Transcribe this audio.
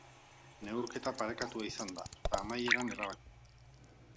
Neurketa parekatua izan da eta amaieran erabaki da.